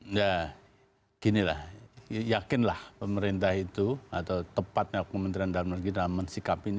nah ginilah yakinlah pemerintah itu atau tepatnya kementerian dalam negeri dalam mensikap ini